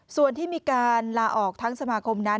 ส่วนที่มีการลาออกทั้งสมาคมนั้น